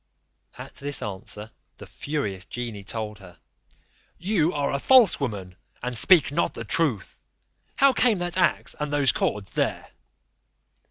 At this answer, the furious genie told her, "You are a false woman, and speak not the truth; how came that axe and those cords there?"